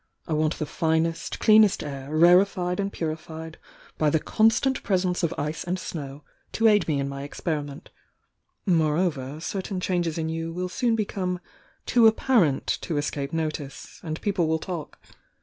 I want the finest, clearest air, rarefied and puri fied by the constant presence of ice and snow, to aid me in my experiment, — moreover, certain changes in you will soon become too apparent to escape notice, and people will talk.